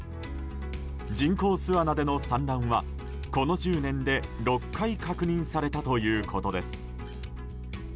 人工巣穴での産卵はこの１０年で６回確認されたということです。